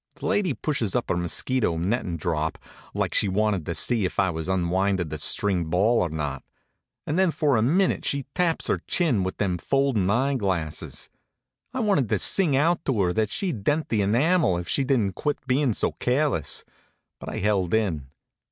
The lady pushes up her mosquito nettin' drop, like she wanted to see if I was unwindin' the string ball or not, and then for a minute she taps her chin with them foldin' eyeglasses. I wanted to sing out to her that she'd dent the enamel if she didn't quit bein' so careless, but I held in.